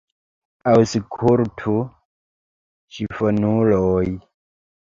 Aŭskultu, ĉifonuloj!